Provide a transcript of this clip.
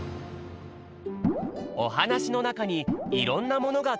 おはなしのなかにいろんなものがかくれているよ。